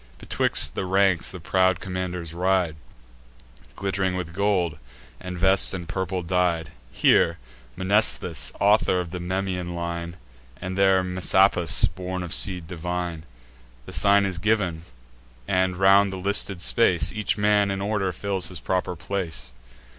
Betwixt the ranks the proud commanders ride, Glitt'ring with gold, and vests in purple dyed; Here Mnestheus, author of the Memmian line, And there Messapus, born of seed divine. The sign is giv'n; and, round the listed space, Each man in order fills his proper place.